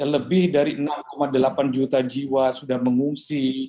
lebih dari enam delapan juta jiwa sudah mengungsi